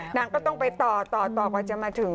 นางก็ต้องไปต่อต่อกว่าจะมาถึง